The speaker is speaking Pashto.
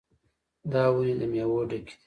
دا ونې د میوو ډکې دي.